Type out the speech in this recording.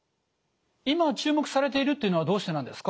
今注目されているというのはどうしてなんですか？